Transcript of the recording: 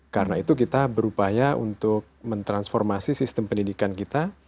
karena itu kita berupaya untuk mentransformasi sistem pendidikan kita